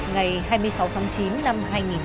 ngày hai mươi sáu tháng chín năm hai nghìn một mươi chín